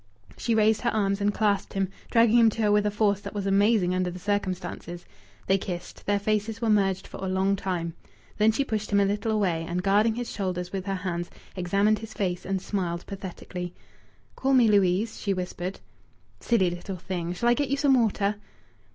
She raised her arms and clasped him, dragging him to her with a force that was amazing under the circumstances. They kissed; their faces were merged for a long time. Then she pushed him a little away, and, guarding his shoulders with her hands, examined his face, and smiled pathetically. "Call me Louise," she whispered. "Silly little thing! Shall I get you some water?"